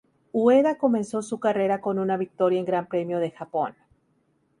Ueda comenzó su carrera con una victoria en Gran Premio de Japón.